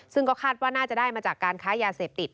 ซึ่งก็คาดว่าน่าจะได้มาจากการค้ายาเสพติด